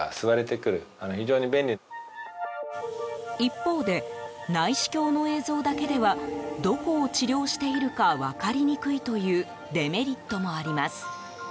一方で、内視鏡の映像だけではどこを治療しているか分かりにくいというデメリットもあります。